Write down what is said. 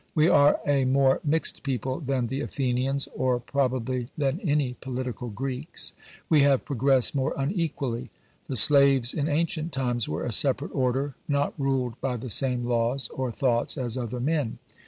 We are a more mixed people than the Athenians, or probably than any political Greeks. We have progressed more unequally. The slaves in ancient times were a separate order; not ruled by the same laws, or thoughts, as other men.